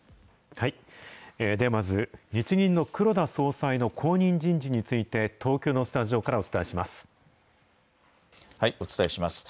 まず、日銀の黒田総裁の後任人事について、東京のスタジオかお伝えします。